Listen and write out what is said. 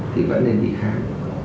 thì vẫn nên đi khám